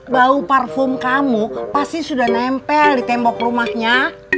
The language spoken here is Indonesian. bau parfum kamu pasti sudah nempel di tembok rumahnya